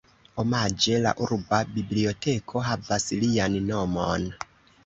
Omaĝe, la urba biblioteko havas lian nomon.